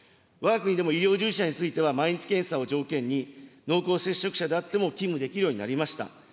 わが国でも医療従事者について、毎日検査を条件に、濃厚接触者であっても勤務できるようになりました。